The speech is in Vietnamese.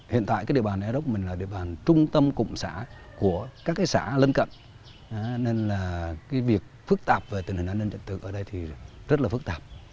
hiện tại cái địa bàn ea rốc mình là địa bàn trung tâm cụm xã của các cái xã lân cận nên là cái việc phức tạp về tình hình an ninh trật tự ở đây thì rất là phức tạp